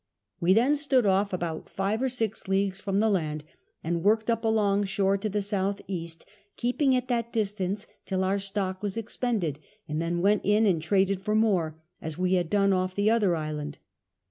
We then stood off about 5 or G leagues from the land, ;iiid w^orked up along shori; to the S.E., keep ing at that distance till our stock was expended ; and then went in and traded for more, us we bad done off the other island.